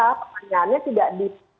pertanyaannya tidak di